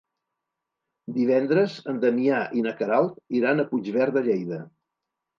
Divendres en Damià i na Queralt iran a Puigverd de Lleida.